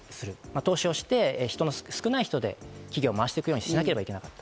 投資をして企業をまわしていくようにしなければいけなかった。